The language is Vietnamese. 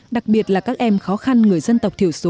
đặc biệt là các em khó khăn người dân tộc thiểu số